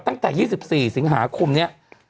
ตั้งแต่๒๔สิงหาคมนี้